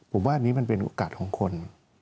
ผมว่าอันนี้มันเป็นโอกาสของคน